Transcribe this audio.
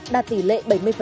đạt tỷ lệ bảy mươi